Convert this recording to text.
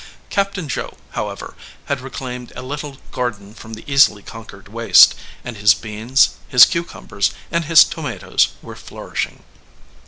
Captain Joe, however, had reclaimed a little gar den from the easily conquered waste, and his beans, his cucumbers, and his tomatoes were flourishing.